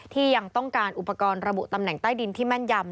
ยังต้องการอุปกรณ์ระบุตำแหน่งใต้ดินที่แม่นยำ